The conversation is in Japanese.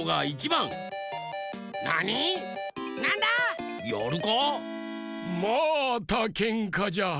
またけんかじゃ。